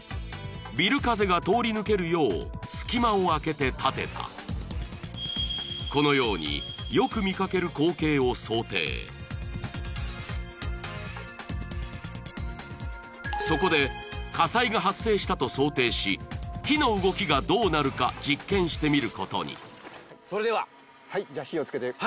ビル風が通り抜けるようすき間をあけて立てたこのようにそこで火災が発生したと想定し火の動きがどうなるか実験してみることにそれでははいじゃ火をつけてみます